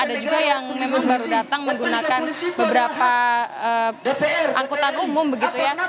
dan juga yang memang baru datang menggunakan beberapa angkutan umum begitu ya